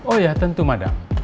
oh iya tentu madam